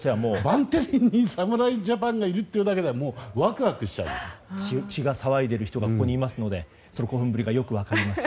バンテリンドームに侍ジャパンがいるだけで血が騒いでいる人がここにいますのでその興奮ぶりがよく分かります。